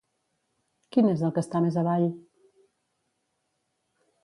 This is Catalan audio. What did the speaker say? Quin és el que està més avall?